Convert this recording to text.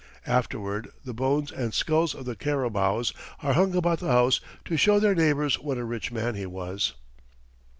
Afterward the bones and skulls of the carabaos are hung about the house to show their neighbours what a rich man he was.